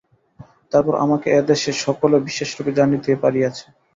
তারপর আমাকে এ দেশে সকলে বিশেষরূপে জানিতে পারিয়াছে।